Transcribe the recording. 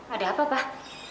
ada apa pak